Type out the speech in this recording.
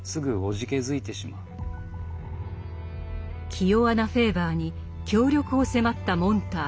気弱なフェーバーに協力を迫ったモンターグ。